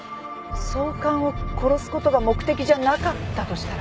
総監を殺すことが目的じゃなかったとしたら。